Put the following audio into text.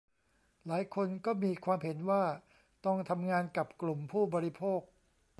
หลายคน ก็มีความเห็นว่าต้องทำงานกับกลุ่มผู้บริโภค